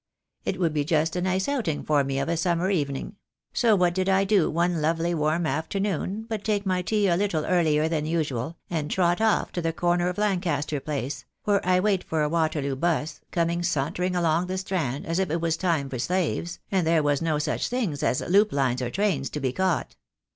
It would be just a nice outing for me of a summer evening; so what did I do one lovely warm after noon but take my tea a little earlier than usual, and trot off to the corner of Lancaster Place, where I wait for a Waterloo 'bus coming sauntering along the Strand as if time was made for slaves, and there wras no such things as loop lines or trains to be caught.